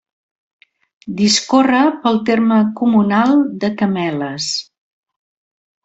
Discorre pel terme comunal de Cameles.